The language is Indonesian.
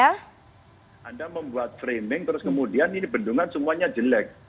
anda membuat framing terus kemudian ini bendungan semuanya jelek